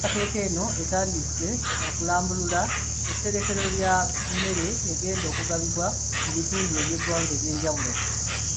Enteekateeka eno etandise na kulambula tterekero lya mmere egenda okugabwa mu bitundu by’eggwanga ebyenjawulo.